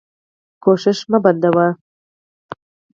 هڅه مه بندوه.